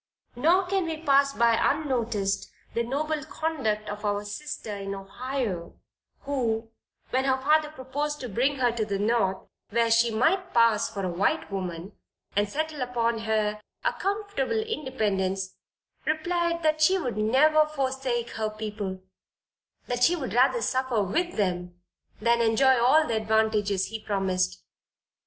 Nor can we pass by unnoticed the noble conduct of our sister in Ohio, who, when her father proposed to bring her to the North, where she might pass for a white woman, and settle upon her a comfortable independence, replied that she would never forsake her people that she would rather suffer with them than enjoy all the advantages he promised.